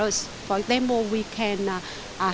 contohnya kita bisa melakukan pelatihan